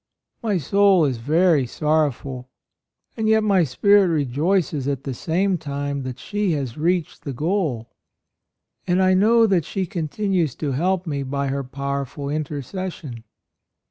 My soul is very sorrowful, and yet my spirit rejoices at the same time that she has reached the goal; and I know that she continues to help me by her powerful intercession.